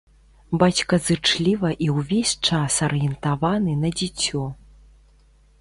Бацька зычліва і ўвесь час арыентаваны на дзіцё.